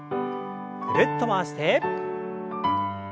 ぐるっと回して。